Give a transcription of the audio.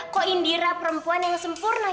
kok indira perempuan yang sempurna